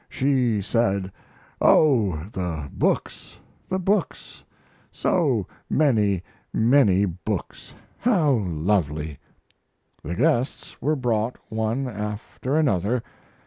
She said, "Oh, the books, the books, so many, many books. How lovely!" The guests were brought one after another.